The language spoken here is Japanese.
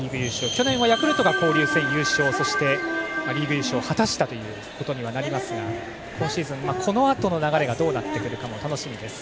去年はヤクルトが交流戦優勝そしてリーグ優勝を果たしたことになりますが今シーズンはこのあとの流れがどうなるかも楽しみです。